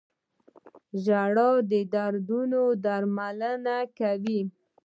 • ژړا د دردونو درملنه کوي.